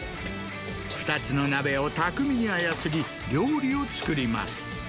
２つの鍋を巧みに操り、料理を作ります。